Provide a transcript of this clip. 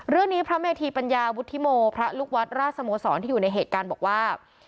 พระเมธีปัญญาวุฒิโมพระลูกวัดราชสโมสรที่อยู่ในเหตุการณ์บอกว่า